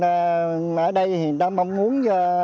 ở đây người ta mong muốn